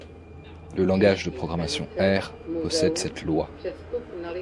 Le langage de programmation R possède cette loi.